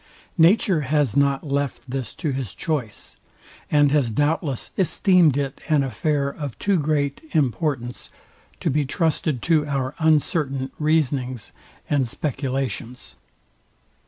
Nature has not left this to his choice, and has doubtless, esteemed it an affair of too great importance to be trusted to our uncertain reasonings and speculations.